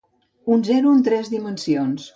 Un zero en tres dimensions.